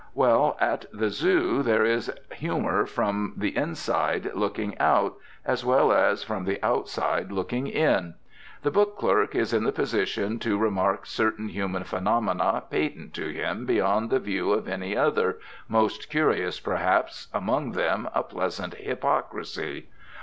Well, at the Zoo there is humour from the inside looking out, as well as from the outside looking in. The book clerk is in the position to remark certain human phenomena patent to him beyond the view of any other, most curious, perhaps, among them a pleasant hypocrisy.